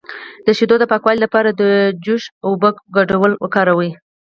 د شیدو د پاکوالي لپاره د جوش او اوبو ګډول وکاروئ